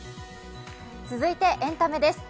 続いて「エンタメ」です。